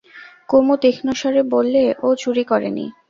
কুমু তীক্ষ্ণ স্বরে বললে, ও চুরি করে নি।